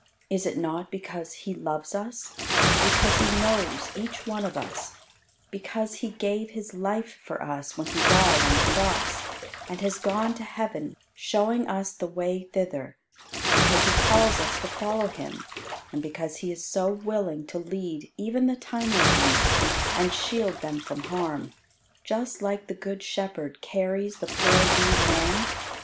Is it not because He loves us; because He knows each one of us; because He gave His life for us when He died on the cross, and has gone to heaven showing us the way thither; because He calls us to follow Him; and because He is so willing to lead even the tiny ones, and shield them from harm, just like the good shepherd carries the poor wee lamb?